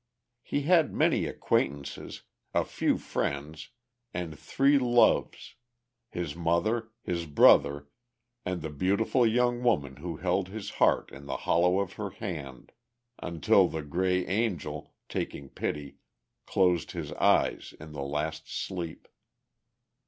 He had many acquaintances, a few friends, and three loves his mother, his brother, and the beautiful young woman who held his heart in the hollow of her hand, until the Gray Angel, taking pity, closed his eyes in the last sleep.